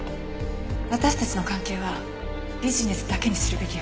私たちの関係はビジネスだけにするべきよ。